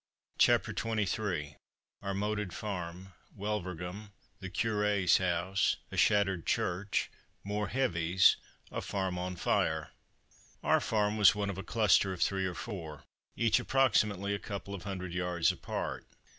CHAPTER XXIII OUR MOATED FARM WULVERGHEM THE CURÉ'S HOUSE A SHATTERED CHURCH MORE "HEAVIES" A FARM ON FIRE Our farm was one of a cluster of three or four, each approximately a couple of hundred yards apart.